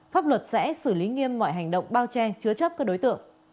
pháp luật sẽ xử lý nghiêm mọi hành động bao che chứa chấp các đối tượng